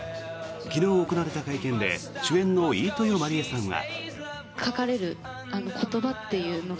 昨日行われた会見で主演の飯豊まりえさんは。